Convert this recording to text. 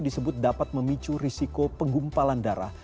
disebut dapat memicu risiko penggumpalan darah